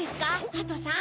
ハトさん。